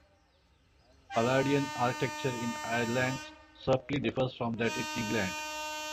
Palladian architecture in Ireland subtly differs from that in England.